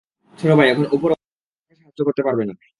ছোট ভাই, এখন উপরওয়ালাও তোমাকে সাহায্য করতে পারবে না।